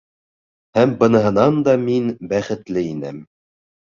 Һәм бынынһан да мин бәхетле инем.